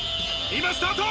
今スタート！